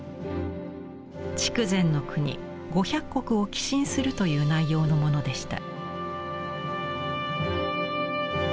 筑前国五百石を寄進するという内容のものでした。